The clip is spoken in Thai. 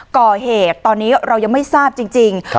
ก่อเหตุตอนนี้เรายังไม่ทราบจริง